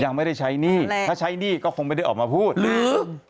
ยังไม่ได้ใช้หนี้ถ้าใช้หนี้ก็คงไม่ได้ออกมาพูดหรือ